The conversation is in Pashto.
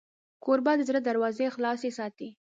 کوربه د زړه دروازې خلاصې ساتي.